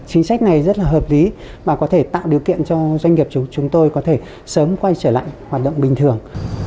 chính sách này rất là hợp lý và có thể tạo điều kiện cho doanh nghiệp chúng tôi có thể sớm quay trở lại hoạt động bình thường